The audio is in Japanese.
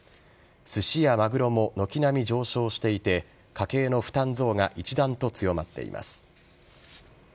すしやマグロも軒並み上昇していて家計の負担増が一段と強まっています。